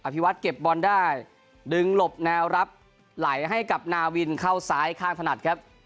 ภิวัตรเก็บบอลได้ดึงหลบแนวรับไหลให้กับนาวินเข้าซ้ายข้างถนัดครับ